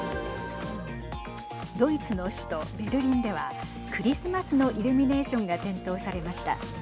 ドイツの首都ベルリンではクリスマスのイルミネーションが点灯されました。